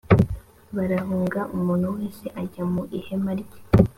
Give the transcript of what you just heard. barahunga umuntu wese ajya mu ihema rye